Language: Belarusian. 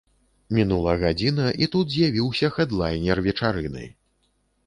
Мінула гадзіна і тут з'явіўся хэдлайнер вечарыны!